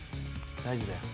大丈夫だよ。